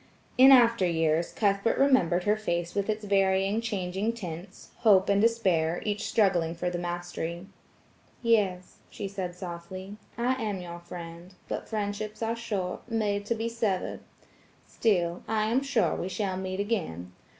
In after years, Cuthbert remembered her face with its varying, changing tints–hope and despair–each struggling for the mastery. "Yes," she said softly, "I am your friend, but friendships are short–made to be severed. Still, I am sure we shall meet again.